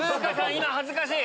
今恥ずかしい！